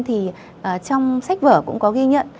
thì trong sách vở cũng có ghi nhận